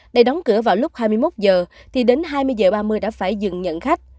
để đóng cửa vào lúc hai mươi một h thì đến hai mươi h ba mươi đã phải dừng nhận khách